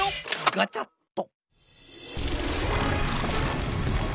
ガチャッと。